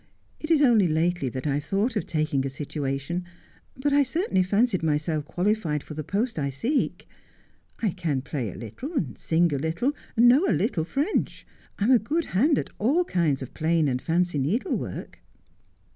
It is only lately that I have thought of taking a situation, but I certainly fancied myself qualified for the post I seek. I can play a little, sing a little, know a little French, am a good hand at all kinds of plain and fancy needlework.'